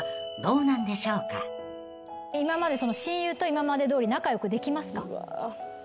親友と今までどおり仲良くできますか？